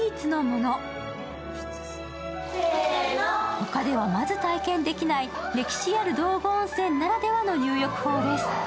他ではまず体験できない歴史ある道後温泉ならではの入浴法です。